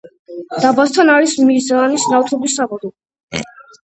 დაბასთან არის მირზაანის ნავთობის საბადო.